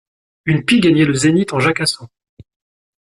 Une pie gagnait le zénith en jacassant.